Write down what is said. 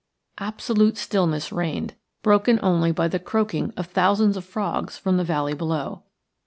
Absolute stillness reigned, broken only by the croaking of thousands of frogs from the valley below.